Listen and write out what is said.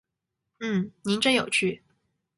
嗯，您真有趣